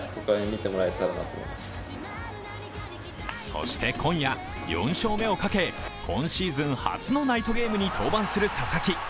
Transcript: そして今夜、４勝目をかけ今シーズン初のナイトゲームに登板する佐々木。